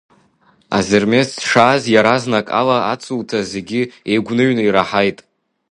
Озермес дшааз иаразнак ала ацуҭа зегьы еигәныҩны ираҳаит.